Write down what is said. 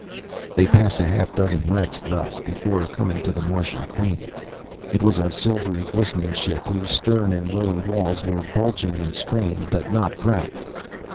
They passed a half dozen wrecks thus, before coming to the Martian Queen. It was a silvery, glistening ship whose stern and lower walls were bulging and strained, but not cracked.